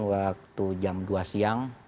waktu jam dua siang